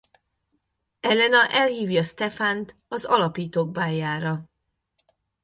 Elena elhívja Stefant az alapítók báljára.